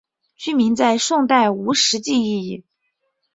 郡名在宋代无实际意义。